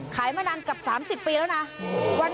ขายมานานกับ๓๐ปีแล้วนะ